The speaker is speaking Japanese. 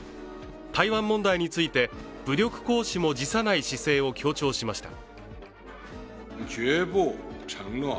台湾問題について、武力行使も辞さない姿勢を強調しました。